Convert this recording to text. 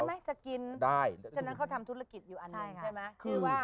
ไม่สกินได้ฉะนั้นเขาทำธุรกิจอยู่อันหนึ่งใช่ไหมชื่อว่า